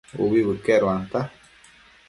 Ubi bëqueduanta